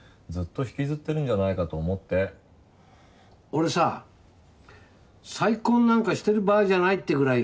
俺さ再婚なんかしてる場合じゃないってぐらいモテてたから。